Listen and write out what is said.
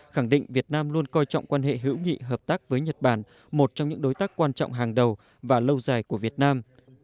khẳng định việt nam luôn coi trọng quan hệ hữu nghị hợp tác với nhật bản một trong những đối tác quan trọng hàng đầu và lâu dài của việt nam